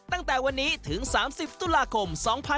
ตั้งแต่วันนี้ถึง๓๐ตุลาคม๒๕๖๒